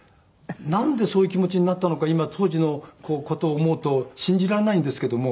なんでそういう気持ちになったのか今当時の事を思うと信じられないんですけども。